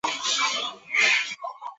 是年秋赴沪升入大同学校就读。